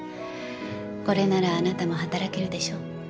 これならあなたも働けるでしょ。